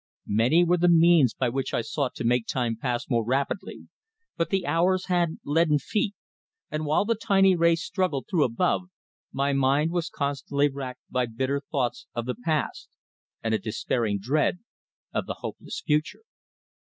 Many were the means by which I sought to make time pass more rapidly, but the hours had leaden feet, and while the tiny ray struggled through above, my mind was constantly racked by bitter thoughts of the past, and a despairing dread of the hopeless future.